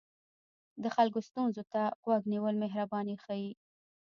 د خلکو ستونزو ته غوږ نیول مهرباني ښيي.